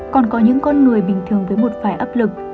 còn có những con người bình thường với một vài ấp lực